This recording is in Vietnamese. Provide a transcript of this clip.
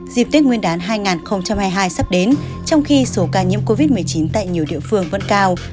dịp tết nguyên đán hai nghìn hai mươi hai sắp đến trong khi số ca nhiễm covid một mươi chín tại nhiều địa phương vẫn cao